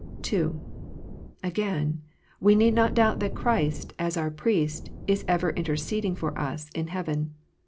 (2) Again : we need not doubt that Christ, as our Priest, is ever interceding for us in heaven.